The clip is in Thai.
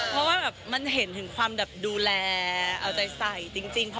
เพราะว่าแบบมันเห็นถึงความแบบดูแลเอาใจใส่จริง